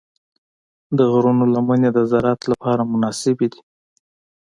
د غرونو لمنې د زراعت لپاره مناسبې دي.